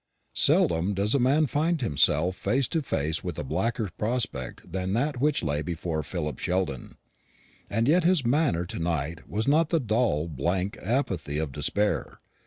Seldom does a man find himself face to face with a blacker prospect than that which lay before Philip Sheldon; and yet his manner to night was not the dull blank apathy of despair.